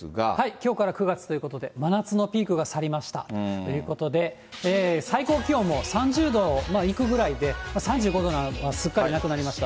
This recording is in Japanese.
きょうから９月ということで、真夏のピークが去りましたということで、最高気温も３０度いくぐらいで３５度なんかはすっかりなくなりました。